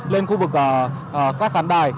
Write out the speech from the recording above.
lên khu vực các khán đài